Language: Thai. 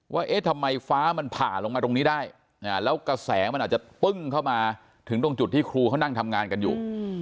เอ๊ะทำไมฟ้ามันผ่าลงมาตรงนี้ได้แล้วกระแสมันอาจจะปึ้งเข้ามาถึงตรงจุดที่ครูเขานั่งทำงานกันอยู่